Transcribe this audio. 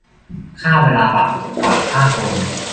ฆ่าเวลาบาปกว่าฆ่าคน